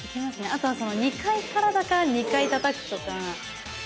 あとは２階からだから２回たたくとか。